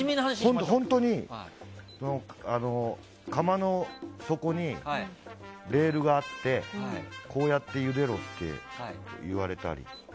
本当に釜の底にレールがあってこうやってゆでろって言われたり。